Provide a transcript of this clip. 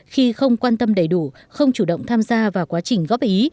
khi không quan tâm đầy đủ không chủ động tham gia vào quá trình góp ý